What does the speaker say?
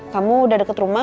kamu udah deket rumah